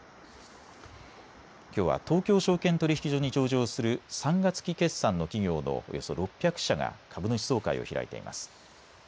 きょうは東京証券取引所に上場する３月期決算の企業のおよそ６００社が株主総会を開いています。